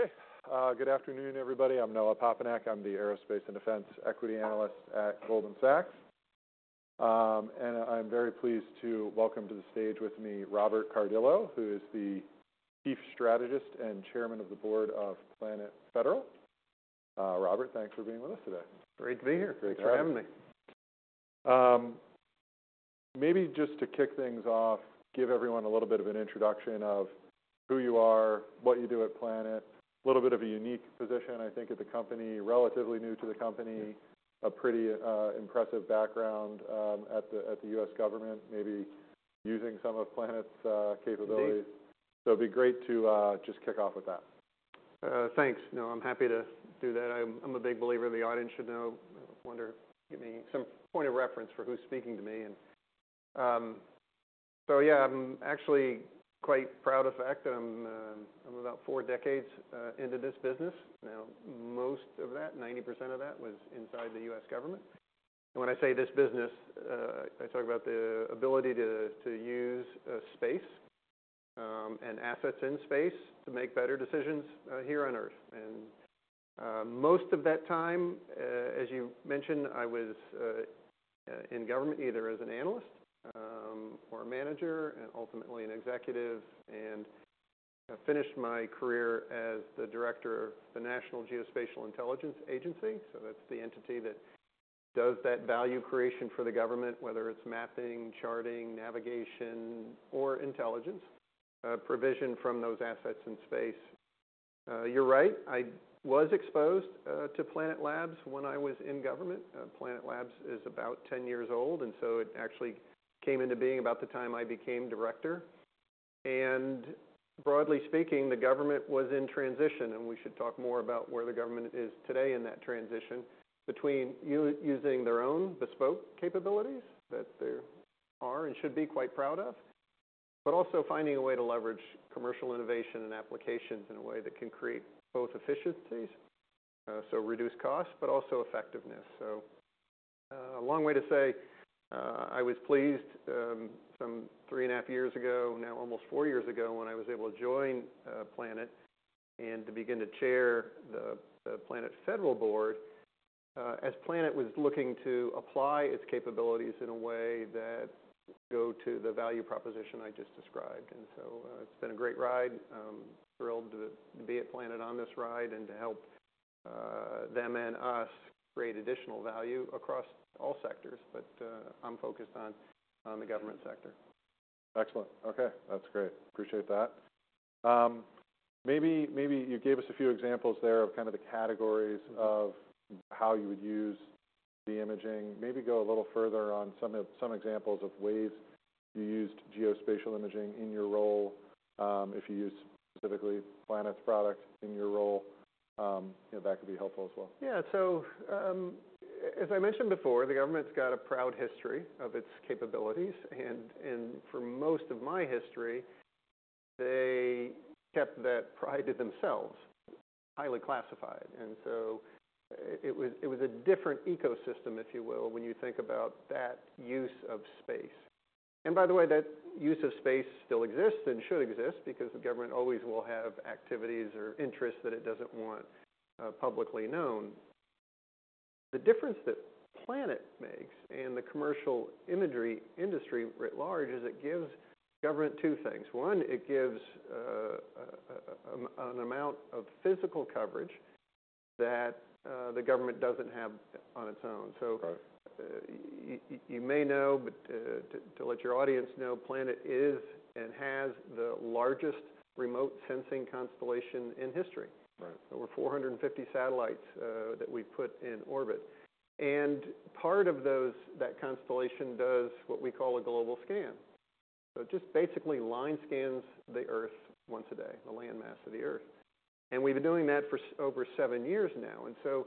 Okay. Good afternoon, everybody. I'm Noah Poponak. I'm the Aerospace and Defense Equity Analyst at Goldman Sachs, and I'm very pleased to welcome to the stage with me, Robert Cardillo, who is the Chief Strategist and Chairman of the Board of Planet Federal. Robert, thanks for being with us today. Great to be here. Thanks for having me. Maybe just to kick things off, give everyone a little bit of an introduction of who you are, what you do at Planet, a little bit of a unique position, I think, at the company, relatively new to the company, a pretty impressive background at the U.S. government, maybe using some of Planet's capabilities. Please. It'd be great to just kick off with that. Thanks. No, I'm happy to do that. I'm a big believer the audience should know. I wonder if you could give me some point of reference for who's speaking to me. So yeah, I'm actually quite proud of the fact that I'm about four decades into this business. Now, most of that, 90% of that, was inside the U.S. government. And when I say this business, I talk about the ability to use space and assets in space to make better decisions here on Earth. Most of that time, as you mentioned, I was in government either as an analyst or a manager, and ultimately an executive, and finished my career as the director of the National Geospatial-Intelligence Agency. That's the entity that does that value creation for the government, whether it's mapping, charting, navigation, or intelligence provision from those assets in space. You're right. I was exposed to Planet Labs when I was in government. Planet Labs is about 10 years old, and so it actually came into being about the time I became director. Broadly speaking, the government was in transition, and we should talk more about where the government is today in that transition between using their own bespoke capabilities that they are and should be quite proud of, but also finding a way to leverage commercial innovation and applications in a way that can create both efficiencies, so reduce costs, but also effectiveness. So, a long way to say, I was pleased, some three and a half years ago, now almost four years ago, when I was able to join Planet and to begin to chair the Planet Federal Board, as Planet was looking to apply its capabilities in a way that would go to the value proposition I just described. And so, it's been a great ride. Thrilled to be at Planet on this ride and to help them and us create additional value across all sectors. But, I'm focused on the government sector. Excellent. Okay. That's great. Appreciate that. Maybe, maybe you gave us a few examples there of kind of the categories of how you would use the imaging. Maybe go a little further on some, some examples of ways you used geospatial imaging in your role, if you use specifically Planet's product in your role. You know, that could be helpful as well. Yeah. So, as I mentioned before, the government's got a proud history of its capabilities. And for most of my history, they kept that pride to themselves. Highly classified. And so, it was a different ecosystem, if you will, when you think about that use of space. And by the way, that use of space still exists and should exist because the government always will have activities or interests that it doesn't want publicly known. The difference that Planet makes and the commercial imagery industry writ large is it gives government two things. One, it gives an amount of physical coverage that the government doesn't have on its own. So. Right. You may know, but to let your audience know, Planet is and has the largest remote sensing constellation in history. Right. Over 450 satellites that we've put in orbit. And part of that constellation does what we call a global scan. So just basically line scans the Earth once a day, the landmass of the Earth. And we've been doing that for over seven years now. And so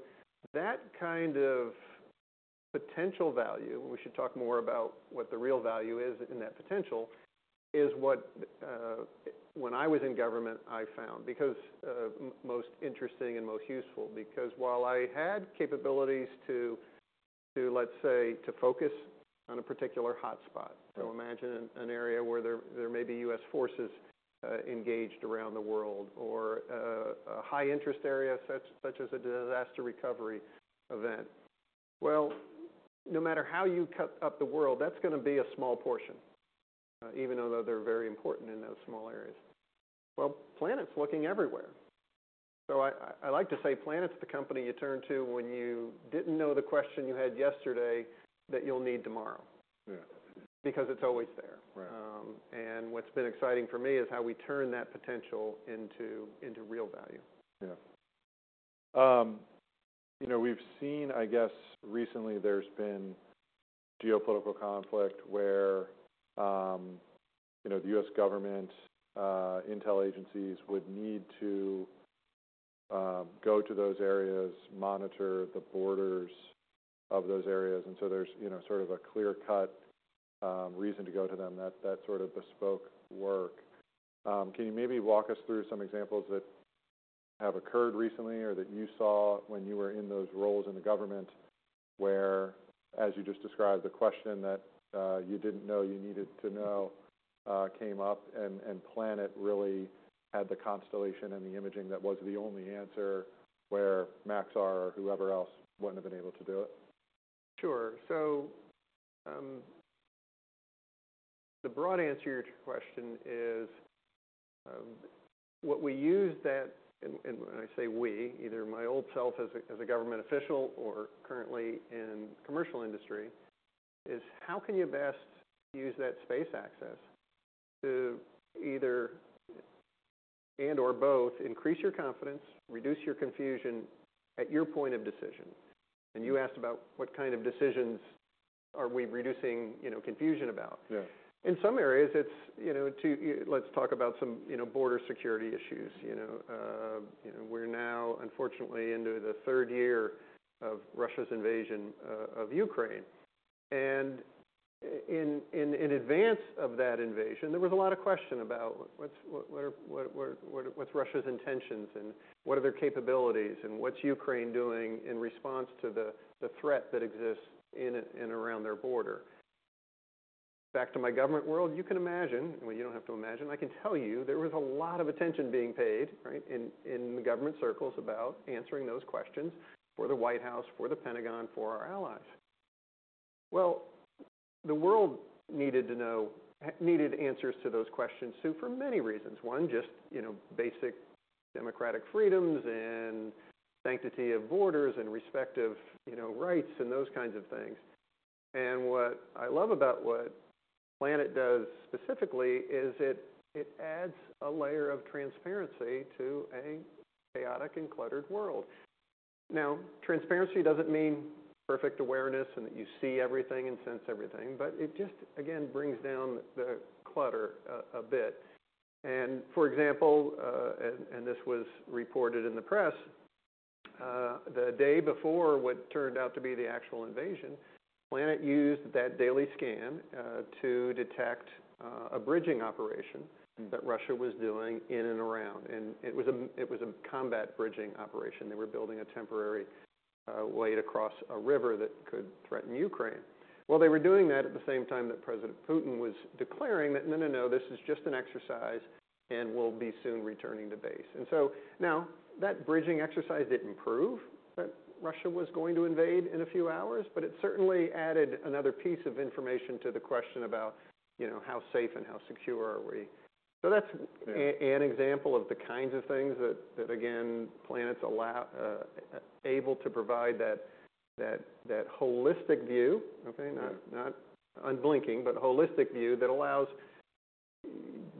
that kind of potential value, and we should talk more about what the real value is in that potential, is what, when I was in government, I found because most interesting and most useful because while I had capabilities to let's say to focus on a particular hotspot. Right. Imagine an area where there may be U.S. forces engaged around the world or a high-interest area such as a disaster recovery event. No matter how you cut up the world, that's gonna be a small portion, even though they're very important in those small areas. Planet's looking everywhere. I like to say Planet's the company you turn to when you didn't know the question you had yesterday that you'll need tomorrow. Yeah. Because it's always there. Right. And what's been exciting for me is how we turn that potential into real value. Yeah. You know, we've seen, I guess, recently there's been geopolitical conflict where, you know, the U.S. government, intel agencies would need to go to those areas, monitor the borders of those areas. And so there's, you know, sort of a clear-cut reason to go to them, that, that sort of bespoke work. Can you maybe walk us through some examples that have occurred recently or that you saw when you were in those roles in the government where, as you just described, the question that you didn't know you needed to know, came up and, and Planet really had the constellation and the imaging that was the only answer where Maxar or whoever else wouldn't have been able to do it? Sure. So, the broad answer to your question is what we use that and, and when I say we, either my old self as a government official or currently in commercial industry, is how can you best use that space access to either and/or both increase your confidence, reduce your confusion at your point of decision? And you asked about what kind of decisions are we reducing, you know, confusion about. Yeah. In some areas, you know, let's talk about some, you know, border security issues, you know. You know, we're now, unfortunately, into the third year of Russia's invasion of Ukraine. In advance of that invasion, there was a lot of questions about what are Russia's intentions and what are their capabilities and what's Ukraine doing in response to the threat that exists in and around their border. Back to my government world, you can imagine, well, you don't have to imagine. I can tell you there was a lot of attention being paid, right, in the government circles about answering those questions for the White House, for the Pentagon, for our allies. The world needed to know, needed answers to those questions, too, for many reasons. One, just, you know, basic democratic freedoms and sanctity of borders and respect of, you know, rights and those kinds of things. And what I love about what Planet does specifically is it adds a layer of transparency to a chaotic and cluttered world. Now, transparency doesn't mean perfect awareness and that you see everything and sense everything, but it just, again, brings down the clutter a bit. And for example, this was reported in the press, the day before what turned out to be the actual invasion, Planet used that daily scan to detect a bridging operation that Russia was doing in and around. And it was a combat bridging operation. They were building a temporary way to cross a river that could threaten Ukraine. Well, they were doing that at the same time that President Putin was declaring that, "No, no, no. This is just an exercise and we'll be soon returning to base," and so now that bridging exercise didn't prove that Russia was going to invade in a few hours, but it certainly added another piece of information to the question about, you know, how safe and how secure are we. So that's. Yeah. An example of the kinds of things that again Planet's able to provide, that holistic view, okay, not unblinking but holistic view that allows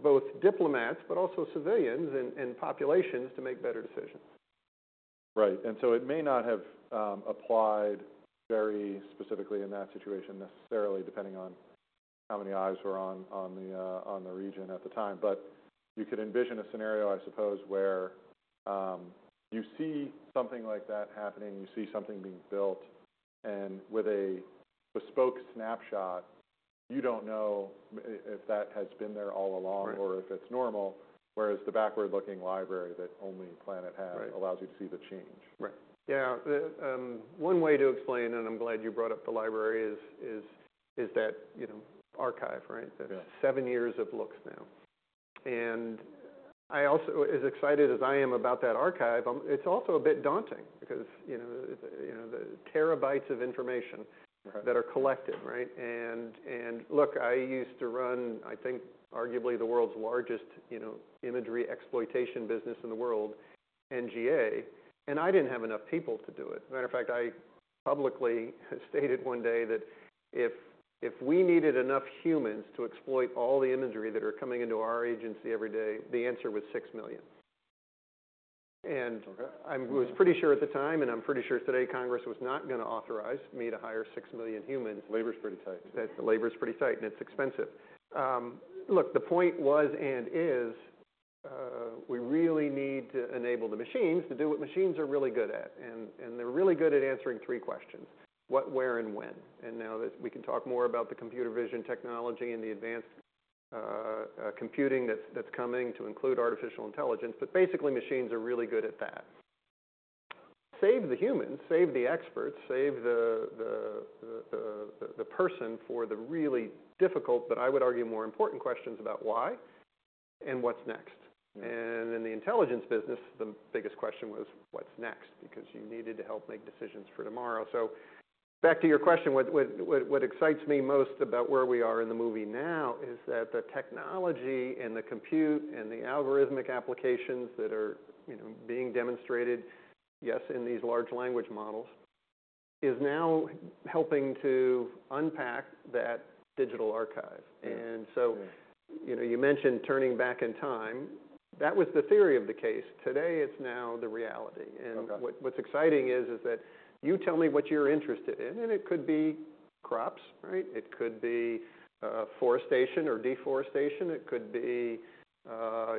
both diplomats but also civilians and populations to make better decisions. Right. And so it may not have applied very specifically in that situation necessarily, depending on how many eyes were on the region at the time. But you could envision a scenario, I suppose, where you see something like that happening, you see something being built, and with a bespoke snapshot, you don't know if that has been there all along. Right. Or if it's normal, whereas the backward-looking library that only Planet has. Right. Allows you to see the change. Right. Yeah. The one way to explain, and I'm glad you brought up the library, is that, you know, archive, right? Yeah. That's seven years of looks now, and I also, as excited as I am about that archive, it's also a bit daunting because, you know, it's, you know, the terabytes of information. Right. That are collected, right? And look, I used to run, I think, arguably the world's largest, you know, imagery exploitation business in the world, NGA, and I didn't have enough people to do it. Matter of fact, I publicly stated one day that if we needed enough humans to exploit all the imagery that are coming into our agency every day, the answer was six million. And. Okay. I was pretty sure at the time, and I'm pretty sure today Congress was not gonna authorize me to hire six million humans. Labor's pretty tight. The labor's pretty tight and it's expensive. Look, the point was and is, we really need to enable the machines to do what machines are really good at. And they're really good at answering three questions: what, where, and when. And now that we can talk more about the computer vision technology and the advanced computing that's coming to include artificial intelligence, but basically, machines are really good at that. Save the humans, save the experts, save the person for the really difficult, but I would argue more important questions about why and what's next. And in the intelligence business, the biggest question was what's next because you needed to help make decisions for tomorrow. So back to your question, what excites me most about where we are in the movie now is that the technology and the compute and the algorithmic applications that are, you know, being demonstrated, yes, in these large language models, is now helping to unpack that digital archive. And so. Yeah. You know, you mentioned turning back in time. That was the theory of the case. Today, it's now the reality. Okay. What's exciting is that you tell me what you're interested in, and it could be crops, right? It could be forestation or deforestation. It could be,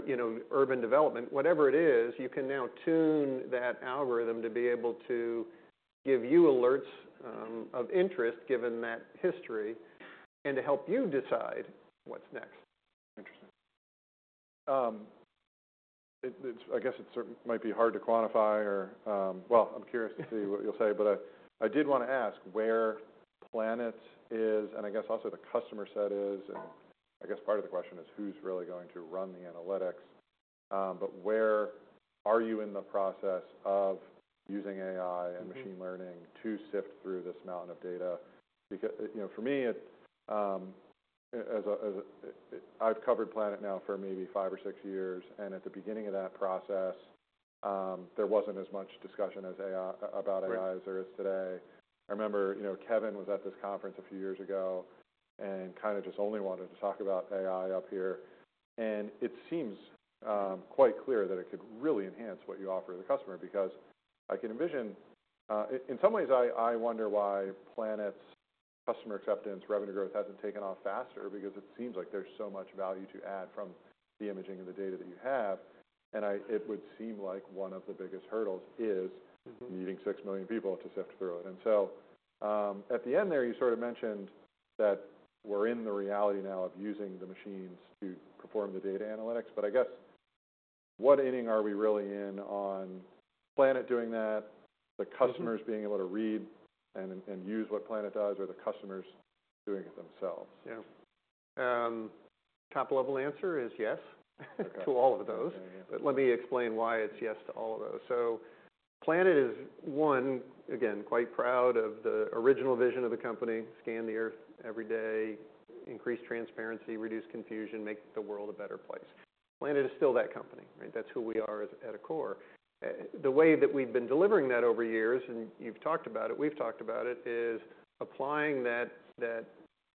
you know, urban development. Whatever it is, you can now tune that algorithm to be able to give you alerts of interest given that history and to help you decide what's next. Interesting. It's, I guess, it might be hard to quantify or. Well, I'm curious to see what you'll say, but I did wanna ask where Planet is and I guess also the customer set is. I guess part of the question is who's really going to run the analytics, but where are you in the process of using AI and machine learning to sift through this mountain of data? Because, you know, for me, as a, I've covered Planet now for maybe five or six years. At the beginning of that process, there wasn't as much discussion about AI as there is today. I remember, you know, Kevin was at this conference a few years ago and kinda just only wanted to talk about AI up here. And it seems quite clear that it could really enhance what you offer the customer because I can envision, in some ways, I wonder why Planet's customer acceptance, revenue growth hasn't taken off faster because it seems like there's so much value to add from the imaging and the data that you have. And it would seem like one of the biggest hurdles is. Mm-hmm. Meeting six million people to sift through it. And so, at the end there, you sort of mentioned that we're in the reality now of using the machines to perform the data analytics. But I guess what inning are we really in on Planet doing that, the customers. Yeah. Being able to read and use what Planet does or the customers doing it themselves? Yeah. Top-level answer is yes. Okay. To all of those. Yeah, yeah. But let me explain why it's yes to all of those. So Planet is, one, again, quite proud of the original vision of the company, scan the Earth every day, increase transparency, reduce confusion, make the world a better place. Planet is still that company, right? That's who we are at, at a core. The way that we've been delivering that over years, and you've talked about it, we've talked about it, is applying that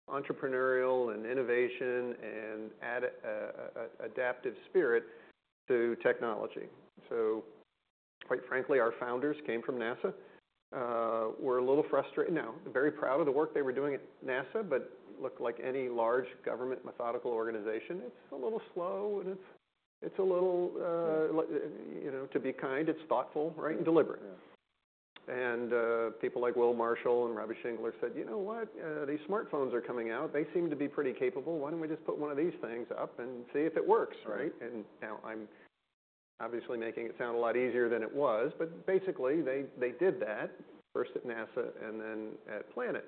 entrepreneurial and innovative and adaptive spirit to technology. So quite frankly, our founders came from NASA, were a little frustrated, no, very proud of the work they were doing at NASA, but, like any large government methodical organization, it's a little slow and it's a little, you know, to be kind, it's thoughtful, right, and deliberate. Yeah. People like Will Marshall and Robbie Schingler said, "You know what? These smartphones are coming out. They seem to be pretty capable. Why don't we just put one of these things up and see if it works, right? Right. Now I'm obviously making it sound a lot easier than it was, but basically, they, they did that first at NASA and then at Planet.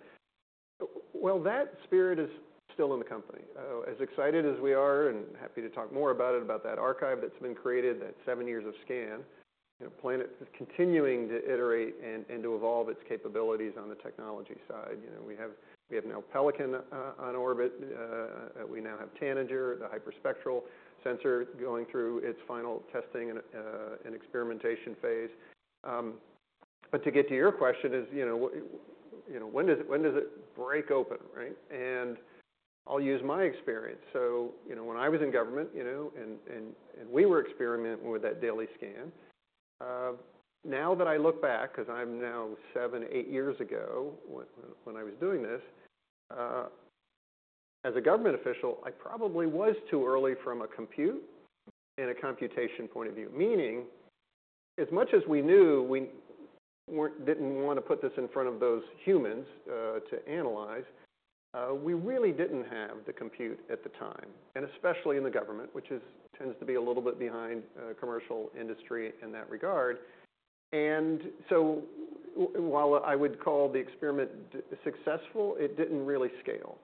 That spirit is still in the company. As excited as we are and happy to talk more about it, about that archive that's been created, that seven years of scan, you know, Planet is continuing to iterate and to evolve its capabilities on the technology side. You know, we have now Pelican on orbit, we now have Tanager, the hyperspectral sensor going through its final testing and experimentation phase. To get to your question is, you know, what, you know, when does it, when does it break open, right? And I'll use my experience. You know, when I was in government, you know, and we were experimenting with that daily scan, now that I look back, 'cause I'm now seven, eight years ago when I was doing this, as a government official, I probably was too early from a compute and a computation point of view, meaning as much as we knew we weren't, didn't wanna put this in front of those humans, to analyze, we really didn't have the compute at the time, and especially in the government, which tends to be a little bit behind, commercial industry in that regard, and so while I would call the experiment successful, it didn't really scale.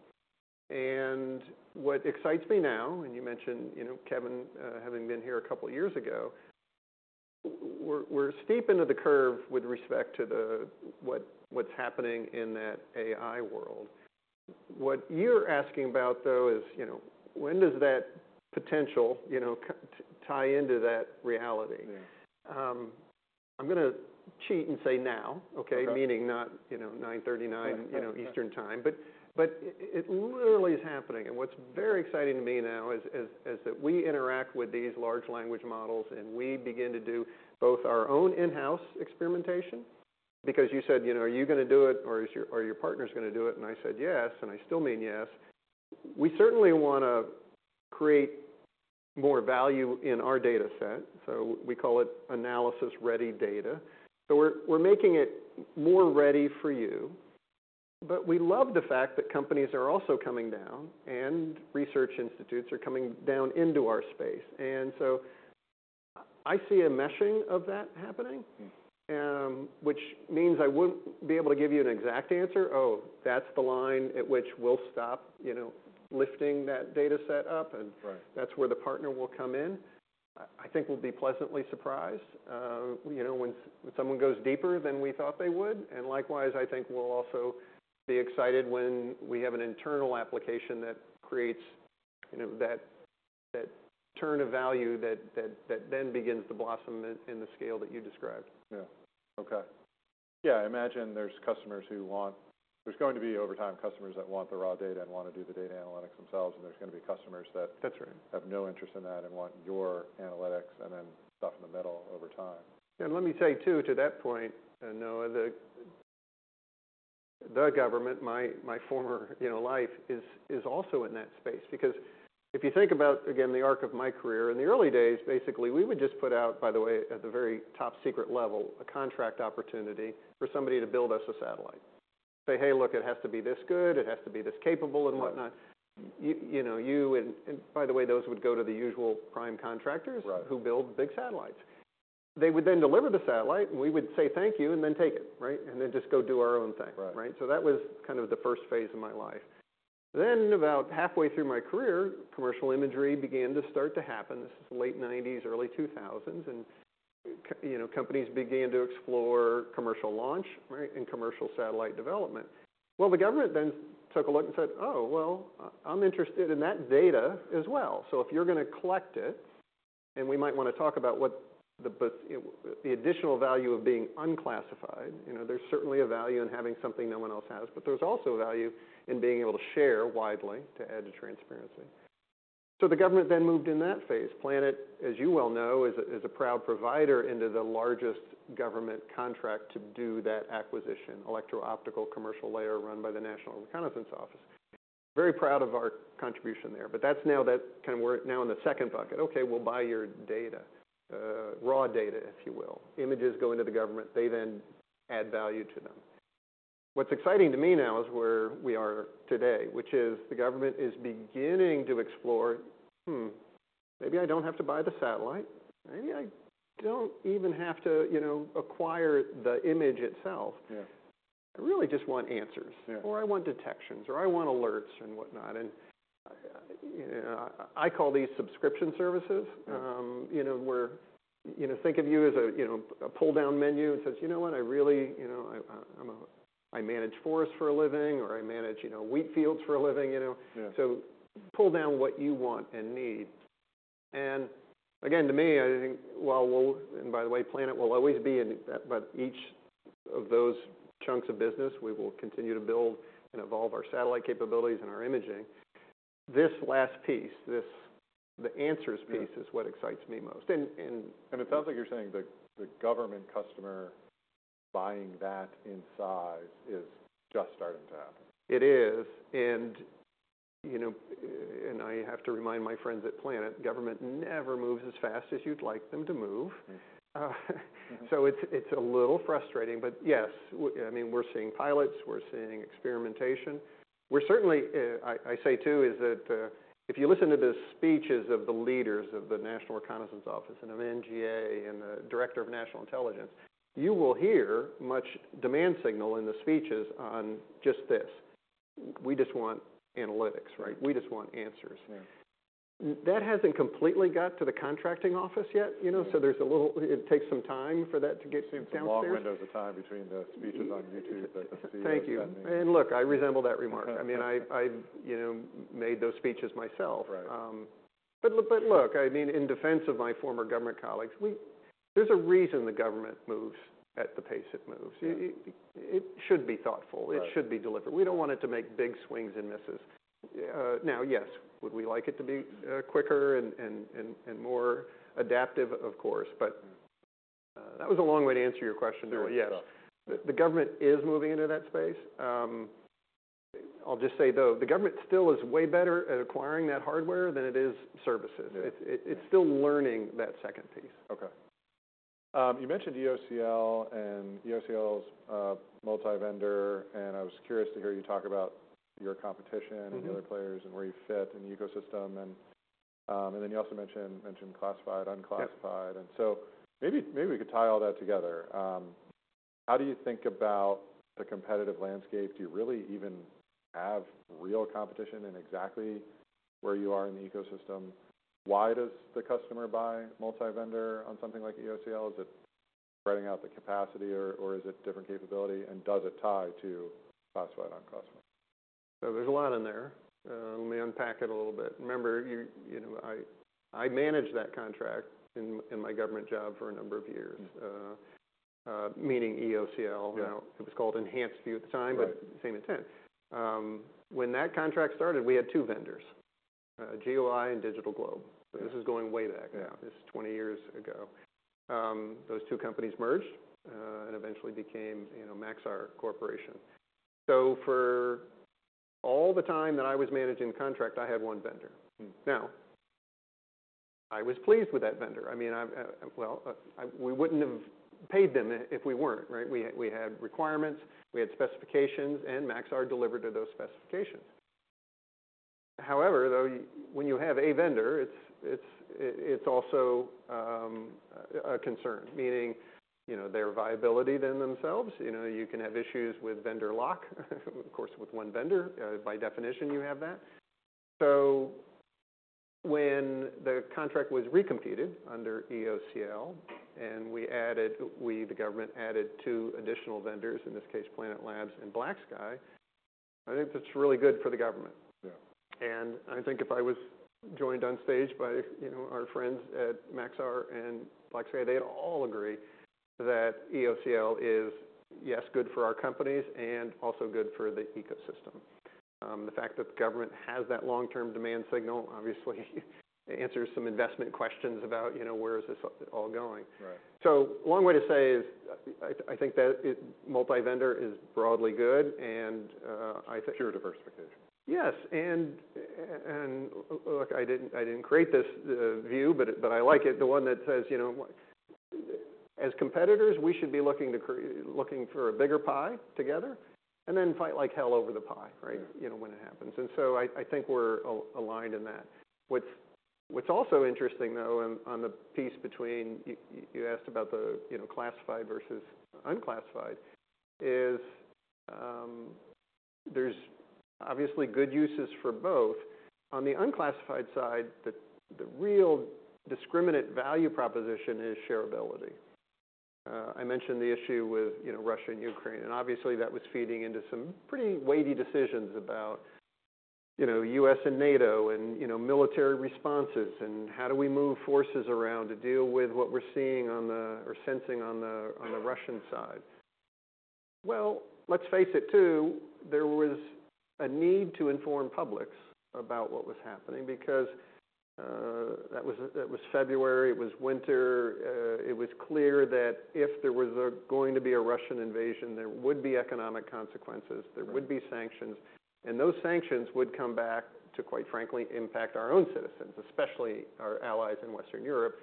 What excites me now, and you mentioned, you know, Kevin, having been here a couple of years ago, we're steep into the curve with respect to what's happening in that AI world. What you're asking about, though, is, you know, when does that potential, you know, co tie into that reality? Yeah. I'm gonna cheat and say now, okay? Okay. Meaning not, you know, 9:30, 9:00, you know, Eastern time. But it literally is happening. And what's very exciting to me now is that we interact with these large language models and we begin to do both our own in-house experimentation because you said, you know, "Are you gonna do it or are your partners gonna do it?" And I said yes, and I still mean yes. We certainly wanna create more value in our data set. So we call it analysis-ready data. So we're making it more ready for you. But we love the fact that companies are also coming down and research institutes are coming down into our space. And so I see a meshing of that happening. which means I wouldn't be able to give you an exact answer, "Oh, that's the line at which we'll stop, you know, lifting that data set up and. Right. That's where the partner will come in." I think we'll be pleasantly surprised, you know, when someone goes deeper than we thought they would. And likewise, I think we'll also be excited when we have an internal application that creates, you know, that turn of value that then begins to blossom in the scale that you described. I imagine there's going to be over time customers that want the raw data and wanna do the data analytics themselves, and there's gonna be customers that. That's right. Have no interest in that and want your analytics and then stuff in the middle over time. Let me say too, to that point, Noah, the government, my former, you know, life is also in that space because if you think about, again, the arc of my career in the early days, basically, we would just put out, by the way, at the very top secret level, a contract opportunity for somebody to build us a satellite, say, "Hey, look, it has to be this good. It has to be this capable and whatnot. Right. You know, you and by the way, those would go to the usual prime contractors. Right. Who built big satellites. They would then deliver the satellite and we would say thank you and then take it, right? And then just go do our own thing. Right. Right? So that was kind of the first phase of my life. Then about halfway through my career, commercial imagery began to start to happen. This is the late 1990s, early 2000s, and, you know, companies began to explore commercial launch, right, and commercial satellite development. Well, the government then took a look and said, "Oh, well, I'm interested in that data as well. So if you're gonna collect it," and we might wanna talk about what the buzz, you know, the additional value of being unclassified. You know, there's certainly a value in having something no one else has, but there's also a value in being able to share widely to add to transparency, so the government then moved in that phase. Planet, as you well know, is a proud provider into the largest government contract to do that acquisition, Electro-Optical Commercial Layer run by the National Reconnaissance Office. Very proud of our contribution there. But that's now that kinda we're now in the second bucket. Okay, we'll buy your data, raw data, if you will. Images go into the government. They then add value to them. What's exciting to me now is where we are today, which is the government is beginning to explore, maybe I don't have to buy the satellite. Maybe I don't even have to, you know, acquire the image itself. Yeah. I really just want answers. Yeah. Or I want detections or I want alerts and whatnot. And, you know, I call these subscription services. Yeah. You know, where, you know, think of you as a, you know, a pull-down menu and says, "You know what? I really, you know, I, I, I'm a I manage forests for a living or I manage, you know, wheat fields for a living," you know? Yeah. So pull down what you want and need. And again, to me, I think, well, Will, and by the way, Planet will always be in that, but each of those chunks of business, we will continue to build and evolve our satellite capabilities and our imaging. This last piece, the answers piece. Yeah. Is what excites me most. It sounds like you're saying the government customer buying that in size is just starting to happen. It is. And, you know, and I have to remind my friends at Planet, government never moves as fast as you'd like them to move. Mm-hmm. It's a little frustrating, but yes, I mean, we're seeing pilots. We're seeing experimentation. We're certainly. I say, too, is that if you listen to the speeches of the leaders of the National Reconnaissance Office and of NGA and the Director of National Intelligence, you will hear much demand signal in the speeches on just this. We just want analytics, right? We just want answers. Yeah. That hasn't completely got to the contracting office yet, you know? Yeah. So, there's a little. It takes some time for that to get downstairs. So you have long windows of time between the speeches on YouTube that the CEO's sending you. Thank you. And look, I resemble that remark. Yeah. I mean, I you know, made those speeches myself. Right. Look, I mean, in defense of my former government colleagues, there's a reason the government moves at the pace it moves. Yeah. It should be thoughtful. Yeah. It should be delivered. We don't want it to make big swings and misses. Now, yes, would we like it to be quicker and more adaptive, of course, but that was a long way to answer your question, really. Yeah. Yes. The government is moving into that space. I'll just say though, the government still is way better at acquiring that hardware than it is services. Yeah. It's still learning that second piece. Okay. You mentioned EOCL and EOCL's multi-vendor, and I was curious to hear you talk about your competition and the other players. Mm-hmm. Where you fit in the ecosystem. And then you also mentioned classified, unclassified. Yeah. And so maybe, maybe we could tie all that together. How do you think about the competitive landscape? Do you really even have real competition in exactly where you are in the ecosystem? Why does the customer buy multi-vendor on something like EOCL? Is it spreading out the capacity or, or is it different capability? And does it tie to classified, unclassified? So there's a lot in there. Let me unpack it a little bit. Remember, you know, I managed that contract in my government job for a number of years. Mm-hmm. meaning EOCL. Yeah. You know, it was called EnhancedView at the time. Right. But same intent. When that contract started, we had two vendors, GeoEye and DigitalGlobe. Yeah. So this is going way back now. Yeah. This is 20 years ago. Those two companies merged, and eventually became, you know, Maxar Corporation. So for all the time that I was managing the contract, I had one vendor. Now, I was pleased with that vendor. I mean, well, we wouldn't have paid them if we weren't, right? We had requirements. We had specifications, and Maxar delivered to those specifications. However, though, when you have a vendor, it's also a concern, meaning, you know, their viability then themselves. You know, you can have issues with vendor lock, of course, with one vendor. By definition, you have that. So when the contract was recompeted under EOCL and we added, we, the government, added two additional vendors, in this case, Planet Labs and BlackSky, I think that's really good for the government. Yeah. And I think if I was joined on stage by, you know, our friends at Maxar and BlackSky, they'd all agree that EOCL is, yes, good for our companies and also good for the ecosystem. The fact that the government has that long-term demand signal obviously answers some investment questions about, you know, where is this all going. Right. So, a long way to say, I think that multi-vendor is broadly good, and I think. Pure diversification. Yes. And look, I didn't create this view, but I like it. The one that says, you know, as competitors, we should be looking for a bigger pie together and then fight like hell over the pie, right? Yeah. You know, when it happens, and so I think we're aligned in that. What's also interesting though is the piece that you asked about, you know, classified versus unclassified. There's obviously good uses for both. On the unclassified side, the real differentiating value proposition is shareability. I mentioned the issue with, you know, Russia and Ukraine. And obviously, that was feeding into some pretty weighty decisions about, you know, U.S. and NATO and, you know, military responses and how do we move forces around to deal with what we're seeing on the ground or sensing on the Russian side. Let's face it too, there was a need to inform the public about what was happening because that was February. It was winter. It was clear that if there was going to be a Russian invasion, there would be economic consequences. Yeah. There would be sanctions, and those sanctions would come back to, quite frankly, impact our own citizens, especially our allies in Western Europe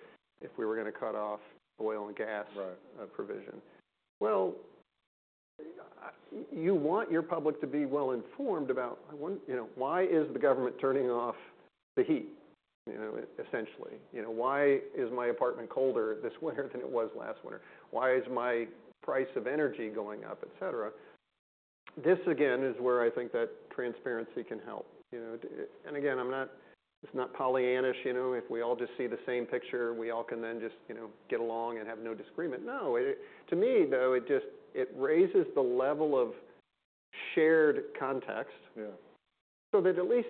if we were gonna cut off oil and gas. Right. provision. Well, you want your public to be well-informed about, "I want, you know, why is the government turning off the heat?" You know, essentially. You know, "Why is my apartment colder this winter than it was last winter? Why is my price of energy going up?" etc. This, again, is where I think that transparency can help. You know, and again, I'm not, it's not Pollyannish, you know, if we all just see the same picture, we all can then just, you know, get along and have no disagreement. No. It, it to me though, it just, it raises the level of shared context. Yeah. So that at least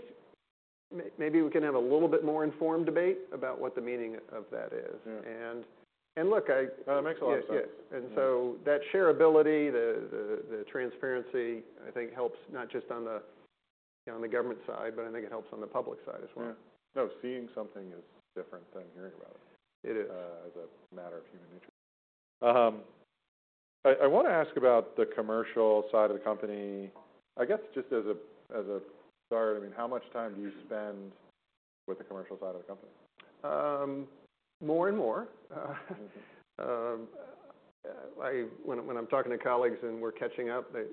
maybe we can have a little bit more informed debate about what the meaning of that is. Yeah. Look, I. That makes a lot of sense. Yes. And so that shareability, the transparency, I think helps not just on the, you know, on the government side, but I think it helps on the public side as well. Yeah. No, seeing something is different than hearing about it. It is. As a matter of human nature. I wanna ask about the commercial side of the company. I guess just as a start, I mean, how much time do you spend with the commercial side of the company? more and more. Mm-hmm. When I'm talking to colleagues and we're catching up, they,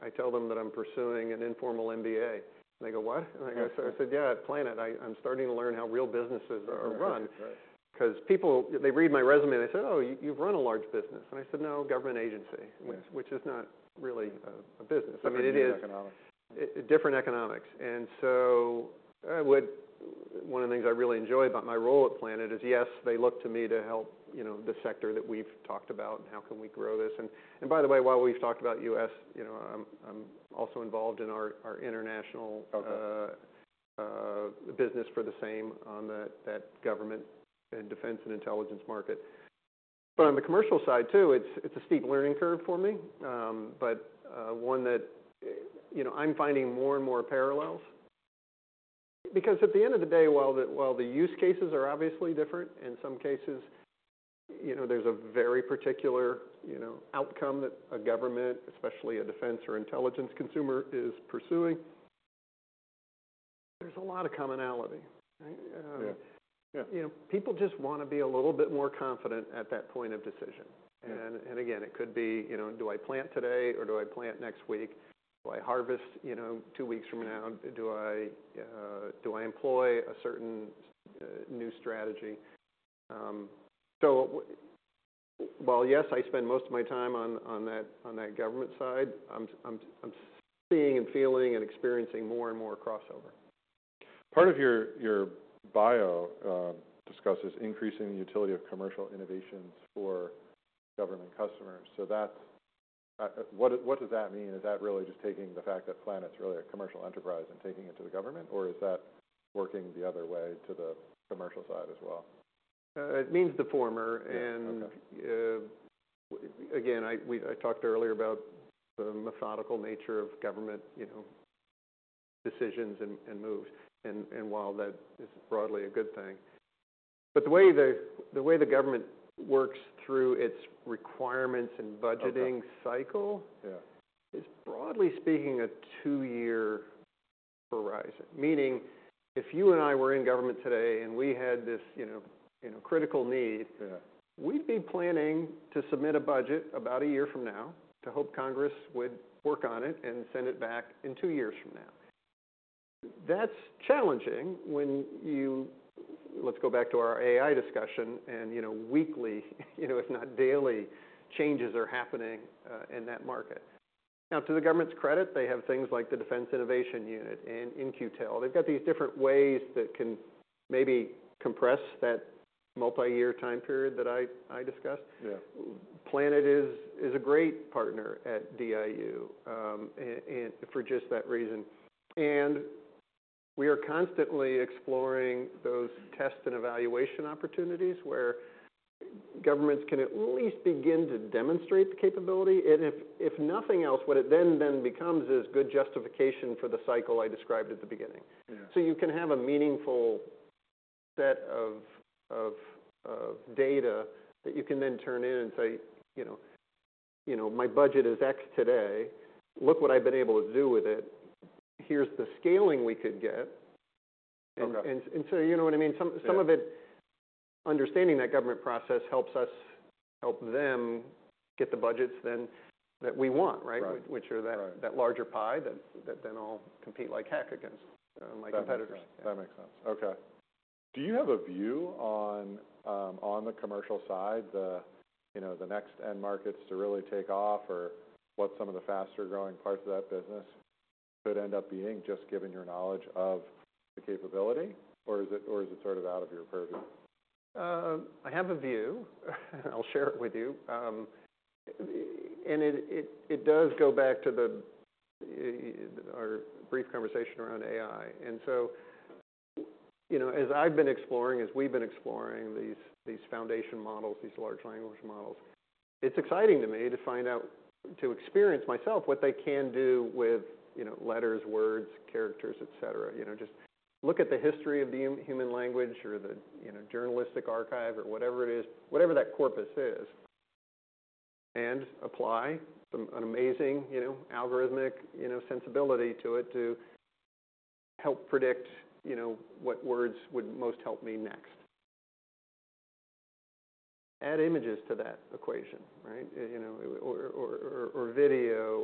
I tell them that I'm pursuing an informal MBA. They go, "What?" and I go. Yeah. So I said, "Yeah, at Planet, I'm starting to learn how real businesses are run. Right. Right. 'Cause people, they read my resume, they say, "Oh, you've run a large business." And I said, "No, government agency. Yeah. Which is not really a business. I mean, it is. It's different economics. It's different economics. And so, one of the things I really enjoy about my role at Planet is, yes, they look to me to help, you know, the sector that we've talked about and how can we grow this. And by the way, while we've talked about U.S., you know, I'm also involved in our international. Okay. Business for the same on that government and defense and intelligence market. But on the commercial side too, it's a steep learning curve for me, but one that, you know, I'm finding more and more parallels because at the end of the day, while the use cases are obviously different, in some cases, you know, there's a very particular outcome that a government, especially a defense or intelligence consumer, is pursuing. There's a lot of commonality, right? Yeah. Yeah. You know, people just wanna be a little bit more confident at that point of decision. Yeah. And again, it could be, you know, do I plant today or do I plant next week? Do I harvest, you know, two weeks from now? Do I employ a certain new strategy? So while yes, I spend most of my time on that government side, I'm seeing and feeling and experiencing more and more crossover. Part of your bio discusses increasing utility of commercial innovations for government customers. So what does that mean? Is that really just taking the fact that Planet's really a commercial enterprise and taking it to the government, or is that working the other way to the commercial side as well? It means the former. Yeah. Okay. Again, we talked earlier about the methodical nature of government, you know, decisions and moves. While that is broadly a good thing, but the way the government works through its requirements and budgeting cycle. Yeah. It's broadly speaking a two-year horizon. Meaning, if you and I were in government today and we had this, you know, critical need. Yeah. We'd be planning to submit a budget about a year from now hoping Congress would work on it and send it back in two years from now. That's challenging when, you know, let's go back to our AI discussion and, you know, weekly, you know, if not daily, changes are happening in that market. Now, to the government's credit, they have things like the Defense Innovation Unit and In-Q-Tel. They've got these different ways that can maybe compress that multi-year time period that I discussed. Yeah. Planet is a great partner at DIU, and for just that reason, we are constantly exploring those test and evaluation opportunities where governments can at least begin to demonstrate the capability. If nothing else, what it then becomes is good justification for the cycle I described at the beginning. Yeah. So you can have a meaningful set of data that you can then turn in and say, you know, "My budget is X today. Look what I've been able to do with it. Here's the scaling we could get. Okay. You know what I mean? Yeah. Some of it, understanding that government process helps us help them get the budgets then that we want, right? Right. Which are that. Right. That larger pie that then I'll compete like heck against my competitors. That makes sense. Okay. Do you have a view on, on the commercial side, the, you know, the next end markets to really take off or what some of the faster-growing parts of that business could end up being, just given your knowledge of the capability, or is it, or is it sort of out of your purview? I have a view. I'll share it with you. And it does go back to our brief conversation around AI. And so, you know, as I've been exploring, as we've been exploring these foundation models, these large language models, it's exciting to me to find out, to experience myself what they can do with, you know, letters, words, characters, etc. You know, just look at the history of the human language or the, you know, journalistic archive or whatever it is, whatever that corpus is, and apply some amazing, you know, algorithmic, you know, sensibility to it to help predict, you know, what words would most help me next. Add images to that equation, right? You know, or video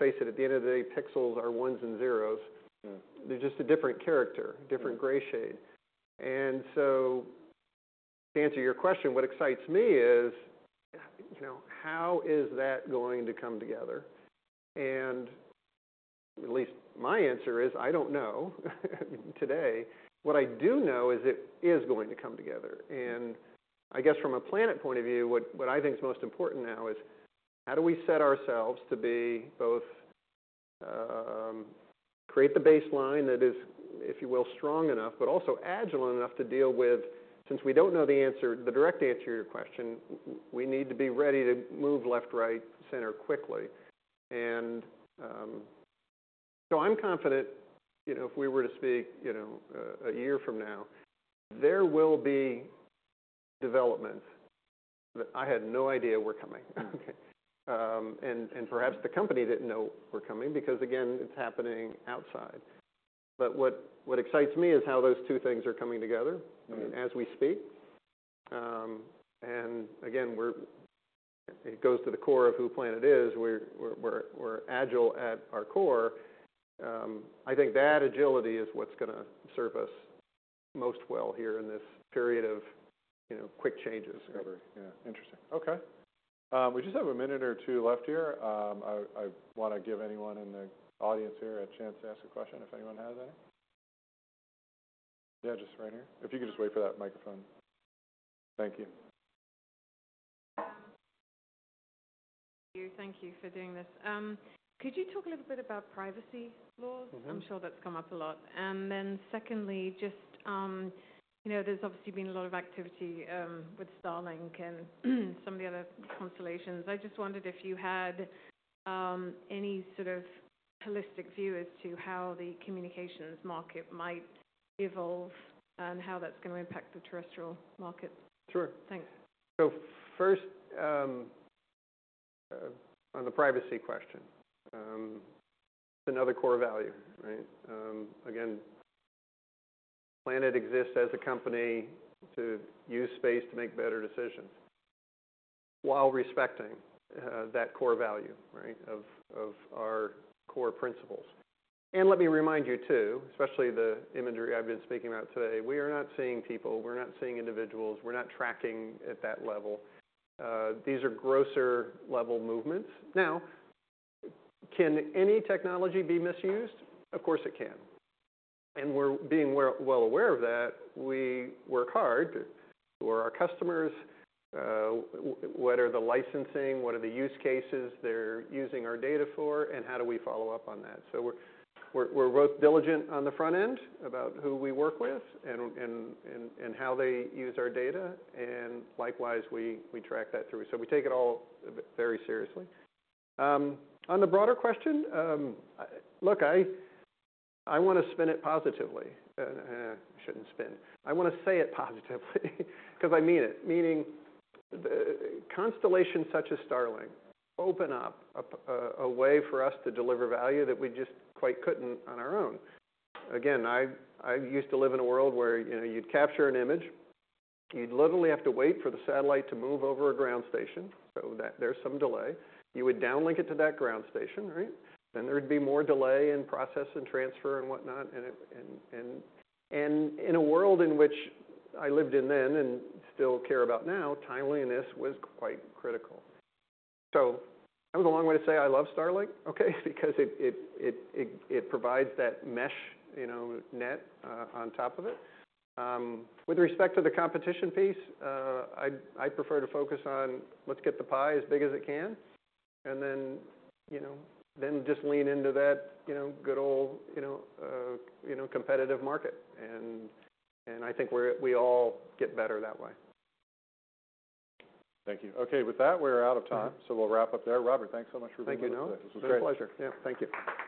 or, you know, let's face it, at the end of the day, pixels are ones and zeros. They're just a different character, different gray shade. And so to answer your question, what excites me is, you know, how is that going to come together? And at least my answer is, I don't know today. What I do know is it is going to come together. And I guess from a Planet point of view, what I think's most important now is how do we set ourselves to be both, create the baseline that is, if you will, strong enough, but also agile enough to deal with, since we don't know the answer, the direct answer to your question, we need to be ready to move left, right, center quickly. And so I'm confident, you know, if we were to speak, you know, a year from now, there will be developments that I had no idea were coming. Okay. And, perhaps the company didn't know were coming because, again, it's happening outside. But what excites me is how those two things are coming together. Mm-hmm. I mean, as we speak. And again, it goes to the core of who Planet is. We're agile at our core. I think that agility is what's gonna serve us most well here in this period of, you know, quick changes. Agility. Yeah. Interesting. Okay. We just have a minute or two left here. I, I wanna give anyone in the audience here a chance to ask a question if anyone has any. Yeah, just right here. If you could just wait for that microphone. Thank you. Thank you for doing this. Could you talk a little bit about privacy laws? Mm-hmm. I'm sure that's come up a lot. And then secondly, just, you know, there's obviously been a lot of activity, with Starlink and some of the other constellations. I just wondered if you had, any sort of holistic view as to how the communications market might evolve and how that's gonna impact the terrestrial market. Sure. Thanks. So first, on the privacy question, that's another core value, right? Again, Planet exists as a company to use space to make better decisions while respecting that core value, right, of our core principles. And let me remind you too, especially the imagery I've been speaking about today, we are not seeing people. We're not seeing individuals. We're not tracking at that level. These are grosser level movements. Now, can any technology be misused? Of course, it can. And we're well aware of that. We work hard to ensure our customers what the licensing, what are the use cases they're using our data for, and how do we follow up on that? So we're both diligent on the front end about who we work with and how they use our data. And likewise, we track that through. So we take it all very seriously. On the broader question, look, I wanna spin it positively. I shouldn't spin. I wanna say it positively 'cause I mean it. Meaning, constellations such as Starlink open up a way for us to deliver value that we just quite couldn't on our own. Again, I used to live in a world where, you know, you'd capture an image. You'd literally have to wait for the satellite to move over a ground station. So that there's some delay. You would downlink it to that ground station, right? Then there'd be more delay in process and transfer and whatnot. And in a world in which I lived in then and still care about now, timeliness was quite critical. So that was a long way to say I love Starlink, okay, because it provides that mesh, you know, net, on top of it. With respect to the competition piece, I prefer to focus on let's get the pie as big as it can. And then, you know, then just lean into that, you know, good old, you know, competitive market. And I think we're, we all get better that way. Thank you. Okay. With that, we're out of time. So we'll wrap up there. Robert, thanks so much for being with us. Thank you. This was great. My pleasure. Yeah. Thank you.